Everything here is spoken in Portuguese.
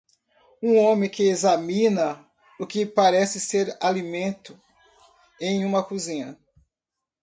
Um homem que examina o que parece ser alimento em uma cozinha.